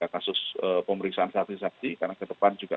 kasus pemeriksaan saksi saksi karena ke depan juga